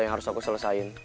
yang harus aku selesain